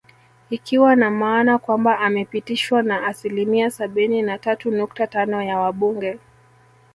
Ikiwa na maana kwamba amepitishwa na asilimia sabini na tatu nukta tano ya wabunge